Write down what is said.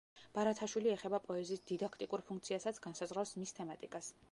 ბარათაშვილი ეხება პოეზიის დიდაქტიკურ ფუნქციასაც, განსაზღვრავს მის თემატიკას.